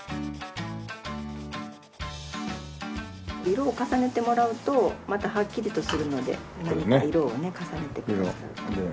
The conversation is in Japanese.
色を重ねてもらうとまたハッキリとするので何か色をね重ねて。